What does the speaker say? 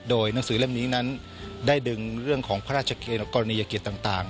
โดยหนังสือเล่มนี้นั้นได้ดึงเรื่องของพระราชกรณียกิจต่าง